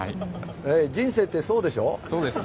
人生ってそうでしょ？